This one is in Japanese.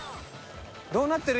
どうなってる？